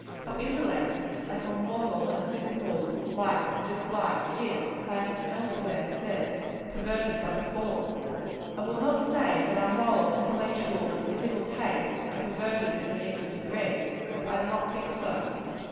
Our intellect, like our moral and physical likes and dislikes, is, as I have elsewhere said, perverted by the fall. I will not say that our moral, intellectual and physical tastes are perverted in an equal degree; for I do not think so.